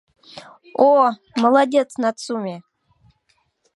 — О, молодец, Нацуме!